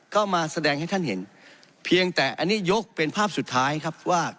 ก็มาแสดงให้ท่านเห็นเพียงแต่อันนี้ยกเป็นภาพสุดท้ายครับว่า